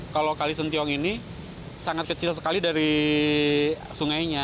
kalau kalisentiong ini sangat kecil sekali dari sungainya